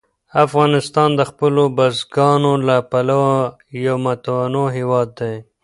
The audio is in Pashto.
افغانستان د خپلو بزګانو له پلوه یو متنوع هېواد دی.